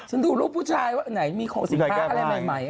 ดูรูปผู้ชายว่าไหนมีของสินค้าอะไรใหม่